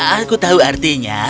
aku tahu artinya